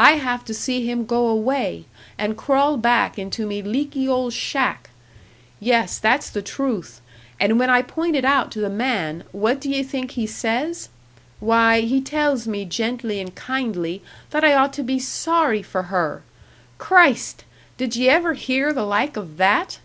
I have to see him go away, and crawl back into me leaky old shack! Yes, that's the truth! And when I point it out to the man, what d'ye think he says? Why, he tells me gently and kindly that I ought to be sorry for her! Christ! did ye ever hear the like of that?"